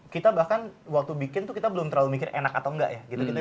kita bahkan waktu bikin tuh kita belum terlalu mikir enak atau enggak ya